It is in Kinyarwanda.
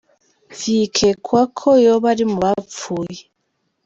Vyikekwa ko yoba ari mu bapfuye.